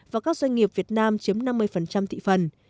và các doanh nghiệp việt nam chiếm năm mươi thị phần